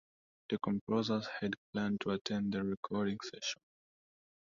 The composer had planned to attend the recording sessions.